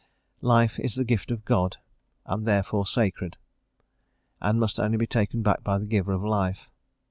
Life is the gift of God, and is therefore sacred, and must only be taken back by the Giver of life.